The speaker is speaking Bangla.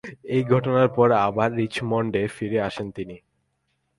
এই ঘটনার পর আবার রিচমন্ড-এ ফিরে আসেন তিনি।